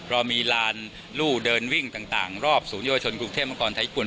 เรามีลานลู่เดินวิ่งต่างรอบศูนย์โยชนกรุงเทพฯประกอบไทยญี่ปุ่น